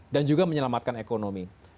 dan juga menyelamatkan ekonomi